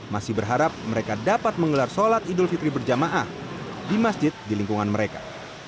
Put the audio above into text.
masih berharap mereka dapat menggelar sholat idul fitri berjamaah di masjid di lingkungan mereka